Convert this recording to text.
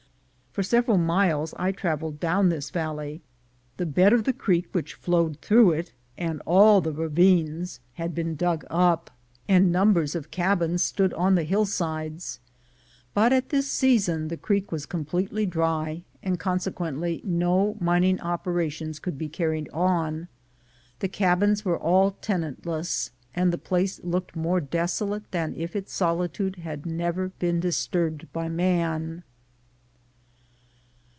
For several miks I — dns vaDey: t^ : crak iHudi :.^ it, and all :_ ad been dng 166 THE GOLD HUNTERS up, and numbers of cabins stood on the hillsides; but at this season the creek was completely dry, and conse quently no mining operations could be carried on. The cabins were all tenantless, and the place looked more desolate than if its solitude had never been dis turbed by man.